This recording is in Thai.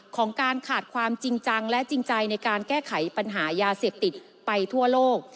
ของการขาดความจริงจังและจริงใจในการแก้ไขปัญหายาเสพติดไปทั่วโลก